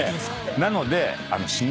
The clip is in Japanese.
なので。